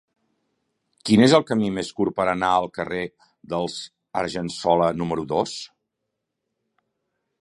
Quin és el camí més curt per anar al carrer dels Argensola número dos?